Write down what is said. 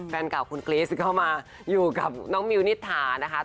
แฟนเก่าคุณกรี๊สเข้ามาอยู่กับน้องมิวนิษฐานะคะ